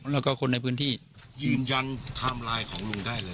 แล้วก็คนในพื้นที่ยืนยันไทม์ไลน์ของลุงได้เลย